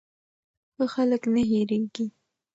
ښه خلک نه هېریږي.